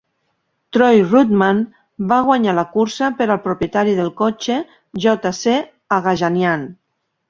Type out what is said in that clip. Troy Ruttman va guanyar la cursa per al propietari del cotxe J. C. Agajanian.